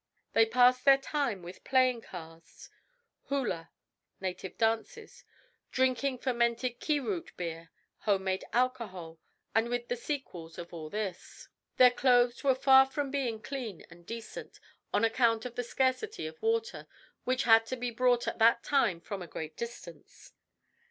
They passed their time with playing cards, hula (native dances), drinking fermented ki root beer, home made alcohol, and with the sequels of all this. Their clothes were far from being clean and decent, on account of the scarcity of water, which had to be brought at that time from a great distance.